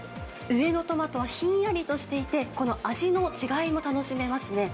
上のトマトはひんやりとしていて、この味の違いも楽しめますね。